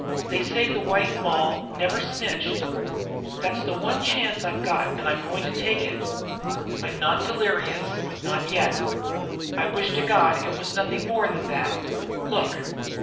They say the White Moll never snitched. That's the one chance I've got, and I'm going to take it. I'm not delirious not yet. I wish to God it was nothing more than that! Look!"